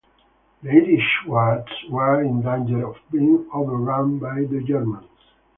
The Irish Guards were in danger of being overrun by the Germans.